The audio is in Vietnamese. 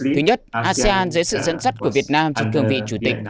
thứ nhất asean dưới sự dẫn dắt của việt nam cho cương vị chủ tịch